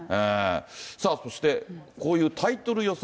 さあそして、こういうタイトル予想